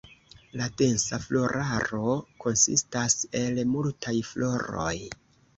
La densa floraro konsistas el multaj floroj.